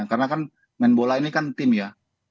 karena kan main bola ini kan tim ya